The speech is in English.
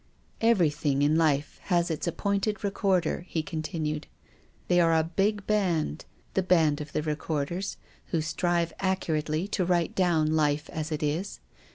" Everything in life has its appointed recorder," he continued. " They are a big band, the band of the recorders who strive accurately to write down life as it is.